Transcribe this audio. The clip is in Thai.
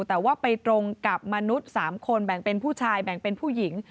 แต่ว่าไปตรงกับมนุษย์๓คนแบ่งเป็นผู้ชายแบ่งเป็นผู้หญิง